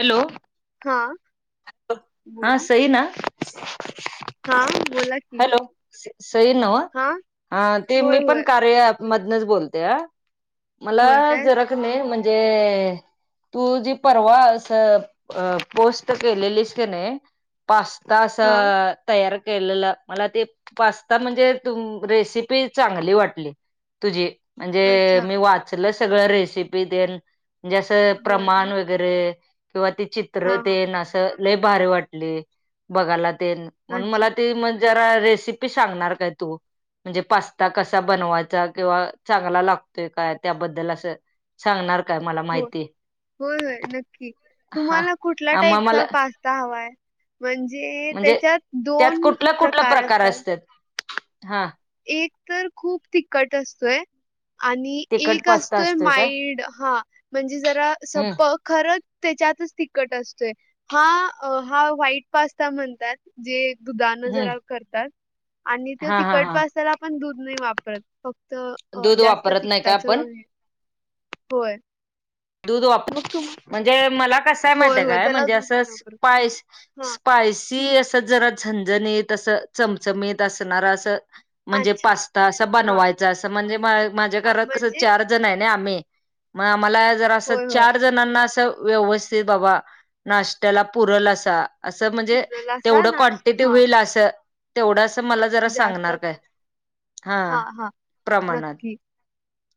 Hello हा हा बोला सई ना हा बोला की हॅलो सई न्हवं हा ते मी होय पण होय कार्या ऍप मधनच बोलत्या मला होय काय जरा की नय म्हणजे तू जी परवा असं अ पोस्ट केलेलीस की नयी पास्ता असा हा तयार केलेला मला ते पास्ता म्हणजे तुम रेसिपी चांगली वाटली तुझी म्हणजे अच्छा मी वाचल सगळ रेसिपी तेन म्हणजे असं होय काय प्रमाण वगै तर किंवा ते हा चित्र हा तेन अस लय भारी वाटली बघायला तेन म्हणून अच्छा मला ती मग जरा रेसिपी सांगणार काय तू म्हणजे पास्ता कसा बनवायचा किंवा चांगला लागतोय काय त्याबद्दल असं सांगणार काय मला हो माहिती कुठल्या आम्हा मला टाईपचा पास्ता हवाय म्हणजे त्याच्यात त्यात दोन कुठला कुठला प्रकार असतात हा एक तर खूप तिखट असतोय आणि तिखट एक पास्ता असतोय का माईड हा म्हणजे जरा हम्म सपक खरंच त्याच्यातच तिखट असतोय हा अ हा व्हाईट पास्ता म्हणतात. जे दुधानं हम्म जरा करतात आणि ते हा हा तिखट हा पास्ताला आपण दूध नाही वापरत. फक्त अ दूध जास्त वापरत नाही का तिखटाच आपण हे होय. दूध वाप मग केव्हा म्हणजे मला कसंय माहिती काय म्हणजे असं नाही वापरत. स्पाय हां. स्पायसी असं जरा झणझणीत असं चमचमीत असंणार असं म्हणजे अच्छा. पास्ता अस हां, बनवायचा अस म्हणजे माझ्या हां. घरात कस चार म्हणजे चार जण हाय नय आम्ही मग आम्हाला जरा असं होय, होय. चार चार जणांना असं व्यवस्थित बाबा नाष्टयाला पुरल असा असं म्हणजे पुरल असा तेवढं नाश क्वानटीटी हां. होईल असं तेवढं अस मला जरा जास्त सांगणार काय असेल. हा हां, हां. प्रमाणात नक्की.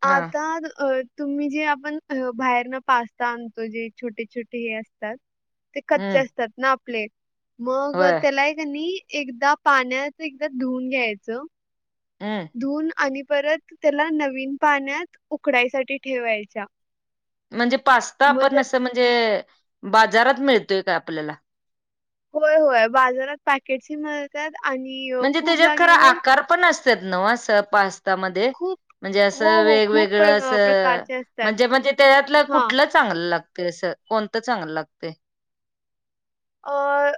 हा आता द अ तुम्ही जे आपण ह्यो बाहेरन पास्ता आणतोय जे छोटे छोटे हे असतात. ते कच्चे हम्म असतात ना आपले मग होय त्याला हाय की नई एकदा पाण्यात एकदा धुवून घ्यायचं. हा धुवून आणि परत त्याला नवीन पाण्यात उकडायसाठी ठेवायच्या. म्हणजे पास्ता मग आपण जर असं म्हणजे बाजारात मिळतोय का आपल्याला होय होय बाजारात पॅकेटची म म्हणजे त्याच्यात खर आकार पण असत्यात नव असं पास्तामध्ये खूप म्हणजे हो असं हो खूप वेगवेगळं प्र असं प्रकारचे असतात म्हणजे म्हणजे त्याच्यातल हा कुठलंच चांगलं लागतय असं कोणतं चांगलं लागतय. अ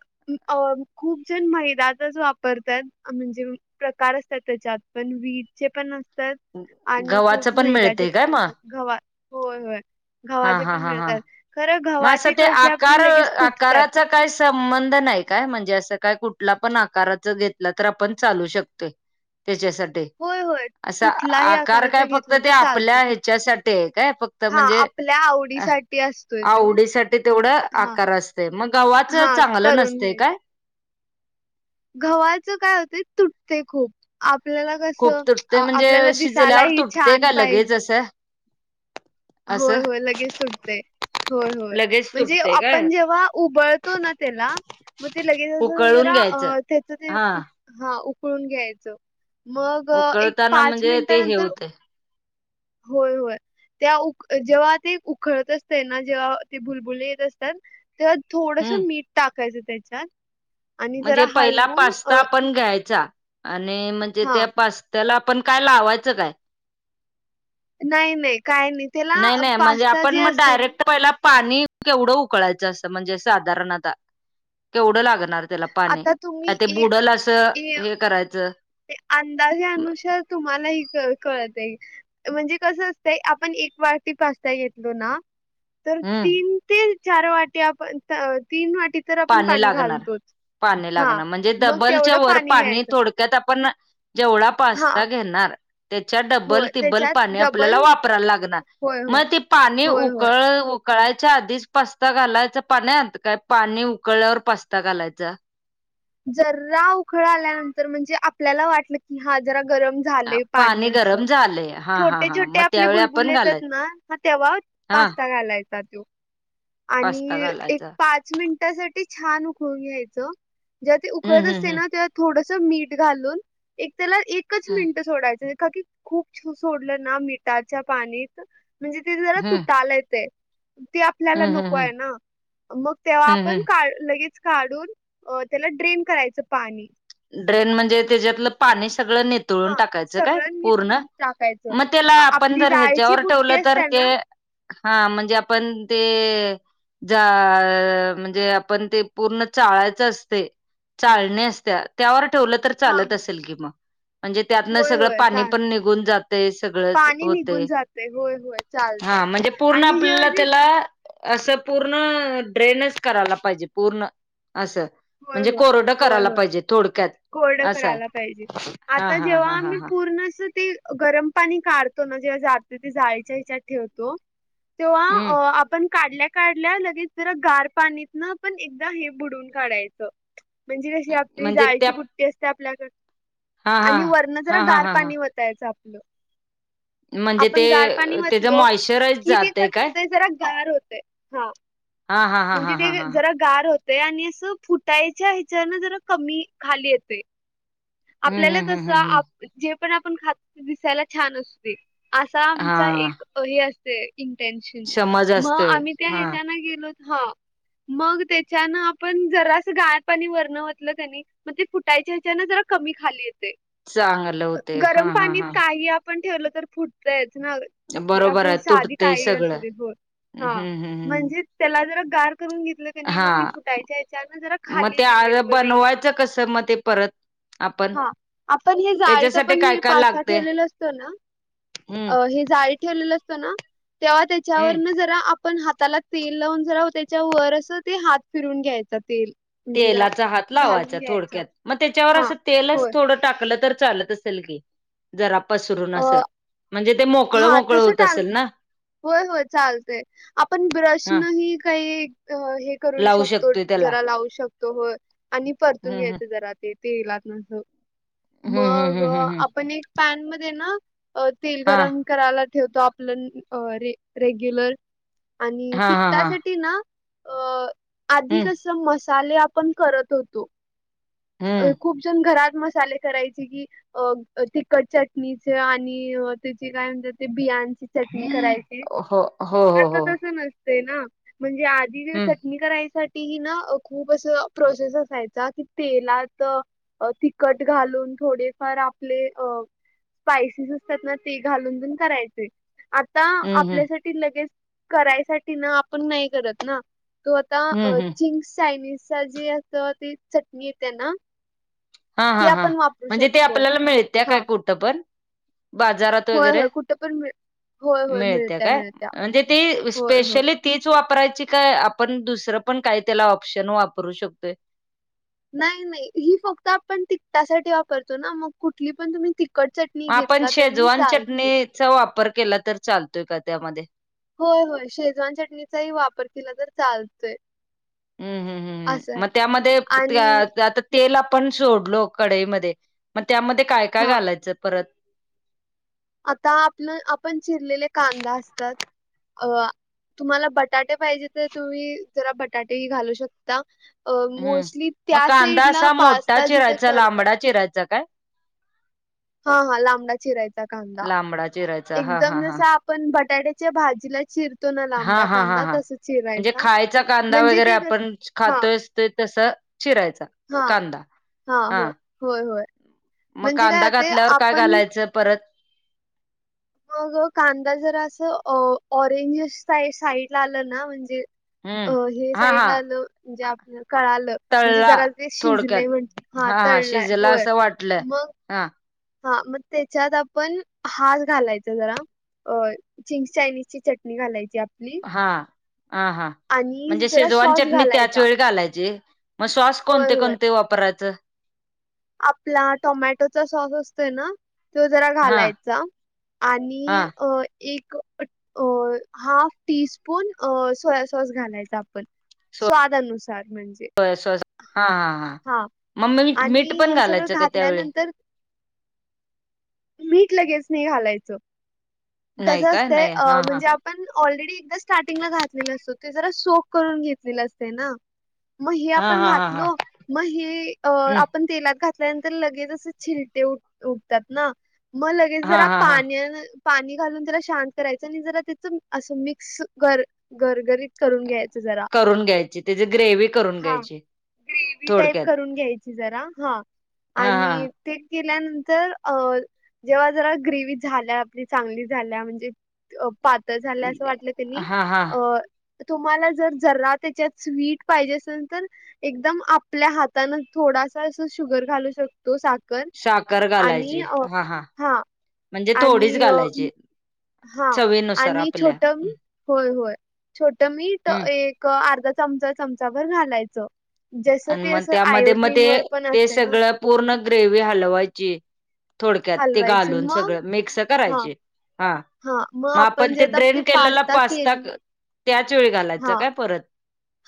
खूप जण मैदातच वापरतात. म्हणजे प्रकार असतात त्याच्यात पण व्हिट चे पण असत आणि खूप गव्हाचं पण मैदा्याचे मिळतंय काय पण मग? असतात गव्हा होय होय हा गव्हाचे हा पण हा हा. मिळतात खरं मग गव्हाचे कशे आपले लगेच तुटतात. काही संबंध नाही काय म्हणजे असं काय कुठला पण आकाराच घेतला तर आपण चालू शकतोय. तेच्यासाठी होय होय असा कुठलाही आकार काय आकाराचा फक्त घेतला ते तर आपल्या चालतोय ह्याच्यासाठी आहे काय फक्त हा म्हणजे आपल्या अ, आवडीसाठी अस आवडीसाठी तेवढं आकार असतय मग गव्हाच हा चांगलं करून नसते घ्यायचा काय गव्हाचं काय होतय तुटते खूप आपल्या कस खूप तुटते म्हणजे आपल्याला दिसायला शिजल्यावर ही तुटते छान का लगेच पाहिजे असं असं होय होय लगेच तुटतंय होय होय लगेच म्हणजे तुटते काय आपण जेव्हा उबळतो ना त्याला मग ते लगेच अस उकळून जरा घ्यायचं त्याच ते हा उकळून घ्यायचं. मग एक उकळताना पाच म्हणजे ते हे मिनिटानंतर होते होय होय त्या जेव्हा ते उखळत असत ना जेव्हा ते भुलबुले येत असतात. तेव्हा थोडस हम्म मीठ टाकायचं त्याच्यात आणि म्हणजे जरा पहिला हलवून पास्ता अ आपण घ्यायचा. आणि म्हणजे हा त्या पास्त्याला आपण काय लावायचं काय नाही नाही काय नाही. त्याला नाही नाही म्हणजे पास्ता आपण जे मग असतोय ना डायरेक्ट पहिला पाणी केवढं उकळायचं असतं, म्हणजे साधारण आता केवढं लागणार. त्याला पाने आता तुम्ही काय ते एक बुडल असं ए हे करायचं. ते अंदाजानुसार तुम्हाला ही कळ-कळतय. म्हणजे कसं असतंय आपण एक वाटी पास्ता घेतलो ना. तर हम्म तीन ते चार वाटी आप त-तीन वाटी. तर आपण पाणी लागणार, घालतोच पाणी हा लागणार म्हणजे मग डबलच्या तेवढं वर पाणी घ्यायचं थोड त्यात आपण जेवढा हा पास्ता घेणार त्याच्या डबल, होय टीब्बल त्याच्यात पाणी डबल आपल्याला वापरा लागणार. होय म होय ते पाणी होय होय उकळ ऊ कळायच्या आधीच पास्ता घालायचं पाण्यांत, काय पाणी उकळल्यावर पास्ता घालायचा. जरा उकळ आल्यानंतर म्हणजे आपल्याला वाटलं की हा जरा गरम झालंय पाणी असं गरम झालंय हा हा छोटे, हा छोटे मग आपले त्यावेळी बुलबुल आपण घालायच येतात ना हा तेव्हा. हा पास्ता घालायचा त्यो. पास्ता आणि एक घालायचा पाच मिनटासाठी छान उकळून घ्यायचं. जेवा ते उकळत हम्म असते हम्म ना तेवा थोडस मीठ घालून एक त्याला एकच हम्म मिनट सोडायचं. का की खूप छू सोडलं ना मिठाच्या पाणीत म्हणजे ते जरा हम्म तुटालं येतंय. ती आपल्याला हम्म हम्म नको हम्म आहे ना, मग तेव्हा हम्म हम्म आपण का लगेच काढून. अ, त्याला ड्रेन करायचं पाणी. ड्रेन म्हणजे त्याच्यातलं पाणी सगळं नि थळून हा टाकायचं काय सगळं पूर्ण, निथळून टाकायचं. म त्याला आ- आपण आपली जर जाळीची ह्याच्यावर बुट्टी ठेवलं तर असते ते ना हा म्हणजे आपण ते. जा म्हणजे आपण ते पूर्ण चाळायच असतय. चाळणी असत्या त्यावर ठेवलं तर हा चालत असेल कि म. म्हणजे त्यातनं होय सगळं होय पाणी चाल पण निघून जातंय सगळंच पाणी होतय. निघून जाते होय होय चालतंय हा म्हणजे पूर्ण आणि जेव्हा आपल्याला जे त्याला. असं पूर्ण ड्रेनचं कराला पाहिजे पूर्ण असं. म्हणजे कोरडं कराला पाहिजेत. कोरड करायला पाहिजे, हा आता हा जेव्हा हा हा आम्ही पू हा पूर्ण असं ते गरम पाणी काढतो ना जेव्हा जात ते जाळीच्या याच्यात ठेवतो तेव्हा अ हम्म आपण काढल्या, काढल्या लगेच जरा गार पाणीत न पण एकदा हे बुडून काढायचं. म्हणजे ही आपली म्हणजे त्या जाळीची बुट्टी असते आपल्याकड, हा हा आणि वरण जरा हा हा गार हा हा पाणी वत त्यायच आपलं. म्हणजे आपण ते गार पाणी त्याच वतलो, मॉइश्चराईज कि ते जातय कस काय होतय जरा गार होतय. हा हा हा हा म्हणजे हा हा ते हा हा. जरा गार होतय आणि अस फुट टाईच्या हेच्यााण जरा कमी खाली येतय. हम्म आपल्याला हम्म हम्म कसं हम्म हम्म आप जे पण आपण खात दिसायला छान असते. आसा आमचा हा एक हे असतेय. इंन्टेशन, समज म असते आम्ही त्या हा ह्याच्यान गेलोत हं! मग त्याच्यान आपण जरा असं गार पाणी वरणवतलं कनी मग ते फुटायच्या ह्याच्या ना जरा कमी खाली येतय, चांगलं होते हा गरम हा पाणीत हा काहीआप पण ठेवलं तर फुटतयच ना. ती बरोबर आपली आहे साधी तुटते काही असू सगळं देत, [unintelligible] हम्म हा हम्म हम्म म्हणजे? त्याला जरा गार करून घेतलं कनी हा मग ते फुटायच्या याच्या न जरा खाली लिमिटमध्ये येईल. आच्छा कस म ते परत. आपण हा आपण हे जाळीत त्याच्यासाठी पण काय हे काय पास्ता लागते ठेवलेलं असतो ना. हम्म अ हे जाळीत ठेवलेलं असतं ना तेव्हा त्याच्यावर हम्म न जरा पण हाताला तेल लावून जरा त्याच्यावर असं ते हात फिरून घ्यायचा तेल म्हणजे जरा तेलाचा हात लावायचा घालून घ्यायचा थोडक्यात मग त्याच्यावर हा असं तेलच होय थोडं टाकल तर चालत असेल की जरा पसरून अ असं म्हणजे मो मोकळ, हा मोकळ तसं होत टाक असेल ना? होय, होय चालतय आपण हा ब्रशन ही काही अ हे करू लावू शकतो शकतोय त्याला जरा लावू शकतो होय आणि परतून हम्म हम्म घ्यायचं जरा ते. तेलातन अस हम्म मग हम्म हम्म हम्म हम्म आपण एक पॅन मध्ये ना तेल हा गरम करायला ठेवतो आपलं रे रेग्युलर आणि हा हा हा तिकतासाठी ना अ अधिक हम्म कस मस्त मसाले आपण करत होतो, हम्म खूपजण घरात मसाले करायचे कि अ तिखट चटणीचे आणि त्याची काय म्हणतात ते बियाची चटणी करायची हो हो हो आता हो तस नसत ना म्हणजे आधी जे हम्म चट करायसाठी ती ही ना खूप असं प्रोसेस असायचा की ते तिखट घालून थोडेफार आपले अ स्पायसेस असतात ना ते घालून पन करायचे. आता हम्म हम्म आपल्यासाठी लगेच करायसाठी ना आपण नाही करत ना. तो आता हम्म हम्म चिंग्स चायनीजचा जे अस त चटणी येते ना हा ती हा हां आपण वापरू म्हणजे ते शकतो आपल्याला मिळते काय हा कुठं पण? बाजारात होय वगैरे? होय कुठं पण मिळ होय होय मिळते मिळत्या काय मिळत्या म्हणजे ती होय होय स्पेशली तीच वापरायची का आपण दुसरं पण काय त्याला ऑप्शन वापरू शकतोय? नाही, नाही ही फक्त आपण तिकटासाठी वापरतो ना मग कुठली पण तुम्ही तिखट च आपण शेजवान चटणीचा वापर केला तर चालतोय का त्यामध्ये? होय, होय शेजवान चटणीचाही वापर केला तरी चालतोय. हम्म, हम्म, असं हम्म मग आहे त्यामध्ये आणि आता तेल आपण सोडलो कडाईमध्ये मग त्यामध्ये काय, काय हा घालायचं परत? आता आपलं आपण चिरलेले कांदा असतात अ तुम्हाला बटाटे पाहिजे तर तुम्ही जरा बटाटेही घालू शकता. अ हम्म मोसली मग त्या कांदा साईडला असा मोठा पास्ता जिथे चिरायचा करतात. लांबडा चिरायचा काय? हा हा लांबला चिरायचा कांदा लांबडा चिरायचा हा एकदम हा हा जसा पण बटाट्याच्या भाजीला चिर हा हा हा हां म्हणजे खायचा कांदा म्हणजे वगैरे ते आपण कसं हां, खातोय ते तस चिरायच. हां, कांदा हां. हा होय, होय, होय. मग म्हणजे काय कांदा होते घातल्यावर काय आपण घालायचं? परत? मग कांदा जरा असं ऑरेंज सा साईड ला आलं ना म्हणजे अ हम्म हे हा साईड हा ला आलो जे आप कळालं म्हणजे तळला जरा ते थोडक्यात शिजले म्हण हा तळलाय शिजला होय असं वाटलं मग हा. हा मग त्याच्यात आपण हात घालायच जरा. अ चिंग्स चायनीज ची चटणी घालायची आपली. हा हां हा आणि म्हणजे जरा शेजवान सॉस चटणी त्याच घालायचा. वेळी घालायची? मग सॉस होय, कोणते होय. कोणते वापरायचं? आपला टोमॅटोचा सॉस असतोय ना तो जरा हा घालायचा हा आणी हा अ एक अ हाफ टीस्पून अ सोया सॉस घालायचा आपण. स्वादनुसार म्हणजे सोया सॉस हां हां हां मग मी मीठ आणि पण हे सगळं घालायचं का त्यावेळी. घातल्यानंतर मीठ लगेच नाही घालायचं. नाही कसं काय असतंय नाही हा हा म्हणजे आप पण ऑलरेडी एकदा स्टार्टिंगला घातलेला असतो ते जरा सोख करून घेतलेलं असते ना. म हे हा आपण हा हा हा घातलो मग हे, हम् पण तेलात घातल्यानंतर लगेच अस छीलटे उठतात ना मग लगेच हा जरा हा हा पाण्यान पाणी घालून त्याला शांत करायचं आणि जरा त्याच असं मिक्स गर गरगरीत करून घ्यायचं जरा. करून घ्यायची त्याची ग्रेव्ही करून हा, घ्यायची ग्रेवी टाईप थोडक्यात करून घ्यायची जरा हा हा आणी हा ते केल्यानंतर अ जेव्हा जरा ग्रेवी झाल्या आपली चांगली झाल्या म्हणजे पातळ झालं असं वाटलं क नई हा हा अ तुम्हाला जर जरा त्याच्यात स्वीट पाहिजे असलं तर एकदम आपल्या हातान थोडासा अस शुगर घालू शक तो साखर साखर आणी घालायची अ हा हा म्हणजे थोडीच आणी अ घालायची हां चवीनुसार आणि आपल्या छोटं मी होय होय छोट मीठ एक हम् एक अर्धा चमचा चमचा भर घालायचं. जस आणि ते मग अस आयोडीन वर पण असतंय ना. पुर्ण ग्रेव्ही हलवायची थोडक्यात ते हलवायची घालून मग सगळं मिक्स हा करायची. हा मग आपण ते ड्रेन केलेला पास्ता त्याच वेळी घालायचं काय परत.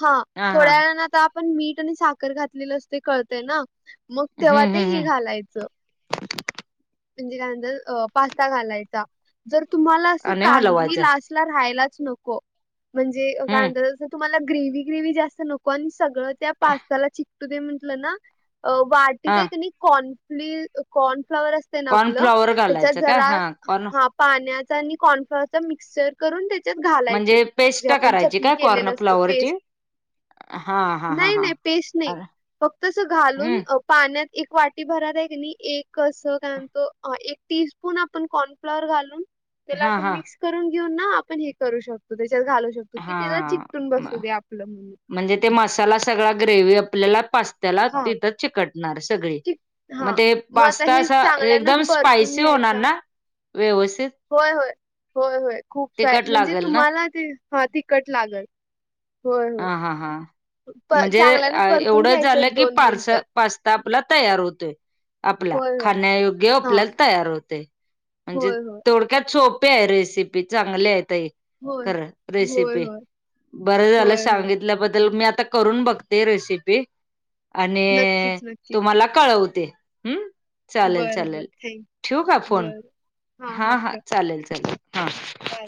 हां हा हा थोड्या वेळानं आता पण मीठ आणि साखर घातलेलं असतंय कळतय ना मग तेव्हा हम्म ते हम्म हे हम्म घालायचं. म्हणजे काय नंतर अ पास्ता घालायचा जर तुम्हाला अस आणि काहीही हलवायचा लास्ट राहायलाच नको. म्हणजे काय हम्म म्हणतात तुम्हाला ग्रेव्ही ग्रेव्ही जास्त नको आणि सगळं त्या पा त्याला चिकटू दे म्हंटलं ना वाटीत हा आहे का नाही कॉर्नफ्ली कॉर्नफ्लॉवर अस आपलं कॉर्नफ्लॉवर त्याच्यात घालायचं काय जरा हा कॉर्न पाण्याचा आणि कॉर्नफ्लावरचा मिक्स करून त्याच्यात घालायचं म्हणजे जे पेस्ट आपण करायची चटणी काय केलेलं असतं कॉर्नफ्लॉवरची? पेस्ट. हा हा हा नाय, हा नाय पेस्ट नाही अर फक्त अस घालून हम्म पाण्यात एक वाटी भरारानी एक असं त्यानंतर एक टी स्पून आपण कॉर्नफ्लॉवर घालून त्याला हा असं हा मिक्स करून घेऊन ना आपण हे करू शकतो. त्याच्यात घालू शकतो कि हा त्याला चिकटून बसू दे हा आपलं म्हणून. म्हणजे ते मसाला सगळा ग्रेव्ही आपल्याला पास्त्याला हा तिथं चिकट णार सगळी चिक हा मग ते आता पास्ता हे असा चांगल्यान एकदम परतून स्पायसी होणार घ्यायचा ना? व्यवस्थित. होय होय होय होय खूप स्पाय तिखट म्हणजे लागेल ना तुम्हाला ते हा तिखट लागल. होय होय हां हां हां म्हणजे चांगल्यान परतून एवढं घ्यायचं झालं एक की दोन पार्स मिनिटं पास्ता आपला तयार होतोय आपला होय होय खाण्यायोग्य हा आपल्याला तयार होतोय. म्हणजे होय होय थोडक्यात सोपी आहे रेसिपी चांगली आहे ताई. होय कर, होय रेसिपी होय बर झालं होय होय सांगितल्याबद्दल, मी आता करून बघते रेसिपी आणी नक्कीच नक्कीच तुम्हाला कळवते, हम्म. चालेल, बरं बरं चालेल थँक ठेऊ का फोन? बरं हां हा, हां हा ठेव चालेल, चालेल हा चालेल